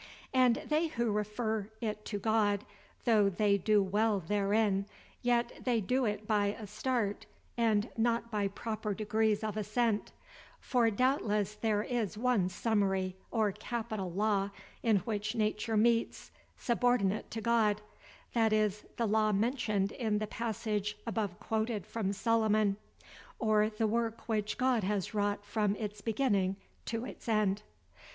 And they who refer it to God, though they do well therein, yet they do it by a start, and not by proper degrees of assent; for doubtless there is one summary, or capital law, in which nature meets, subordinate to God, viz: the law mentioned in the passage above quoted from Solomon; or the work which God has wrought from its beginning to its end.